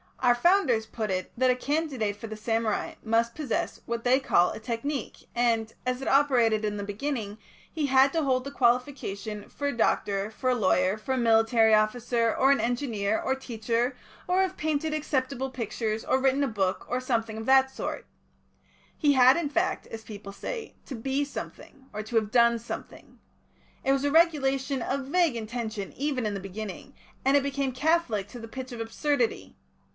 Our Founders put it that a candidate for the samurai must possess what they called a Technique, and, as it operated in the beginning, he had to hold the qualification for a doctor, for a lawyer, for a military officer, or an engineer, or teacher, or have painted acceptable pictures, or written a book, or something of the sort. He had, in fact, as people say, to 'be something,' or to have 'done something.' It was a regulation of vague intention even in the beginning, and it became catholic to the pitch of absurdity.